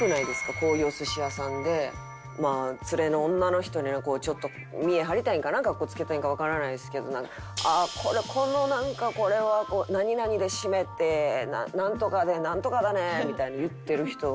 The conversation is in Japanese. こういうお寿司屋さんでまあ連れの女の人にちょっと見栄張りたいんかなかっこつけたいのかわからないですけど「ああこのなんかこれは何々でしめてなんとかでなんとかだね」みたいに言ってる人